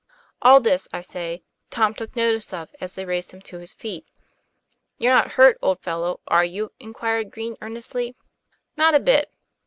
All this, I say, Tom took notice of, as they raised him to his feet. "You're not hurt, old fellow, are you?" inquired Green earnestly. "Not a bit."